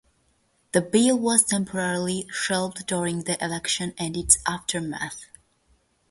The bill was temporarily shelved during the election and its aftermath.